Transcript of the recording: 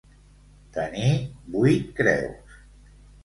Tenir vuit creus.